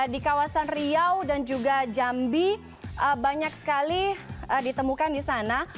di kawasan riau dan juga jambi banyak sekali ditemukan di sana